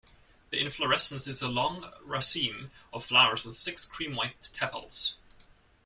The inflorescence is a long raceme of flowers with six cream-white tepals.